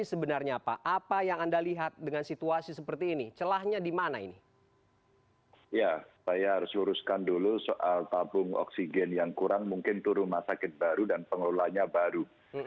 sebelumnya sebab tabung oksigen yang kurang mungkin turun masyarakat baru dan pengelolaannya baru